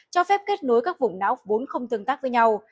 cho phép kết nối các vùng não vốn không tương tác với nhau